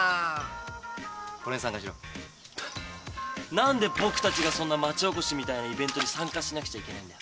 何で僕たちがそんな町おこしみたいなイベントに参加しなくちゃいけないんだ。